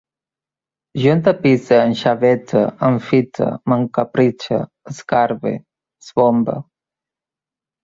Jo entapisse, enxavete, enfite, m'encapritxe, escarbe, esbombe